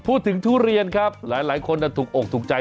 ทุเรียนครับหลายคนถูกอกถูกใจ